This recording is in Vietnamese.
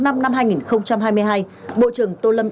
năm năm hai nghìn hai mươi hai bộ trưởng tô lâm